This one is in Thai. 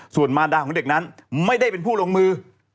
ส่วนมารดาของเด็กนั้นไม่ได้เป็นผู้ลงมือ